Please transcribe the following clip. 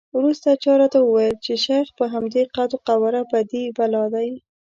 وروسته چا راته وویل چې شیخ په همدې قد وقواره بدي بلا دی.